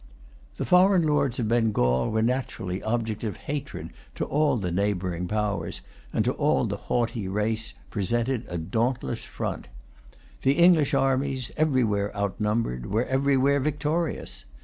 The foreign lords of Bengal were naturally objects of hatred to all the neighbouring powers; and to all the haughty race presented a dauntless front. The English armies, everywhere outnumbered, were everywhere victorious.